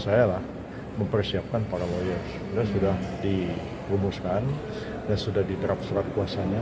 saya lah mempersiapkan para lawyer sudah dirumuskan dan sudah diterapkan surat kuasanya